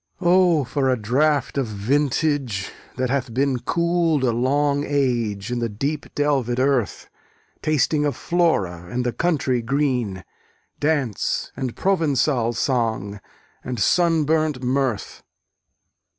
O, for a draught of vintage, that hath been Cool'd a long age in the deep delvèd earth, Tasting of Flora and the country green, Dance, and Provençal song, and sunburnt mirth!